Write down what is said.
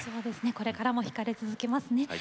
これからも聴かれ続けますね。